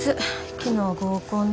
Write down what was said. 昨日合コンで。